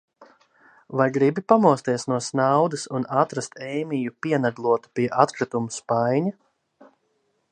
Vai gribi pamosties no snaudas un atrast Eimiju pienaglotu pie atkritumu spaiņa?